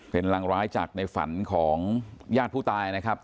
เป็นรังร้ายจากในฝันของญาติผู้ตายนะครับ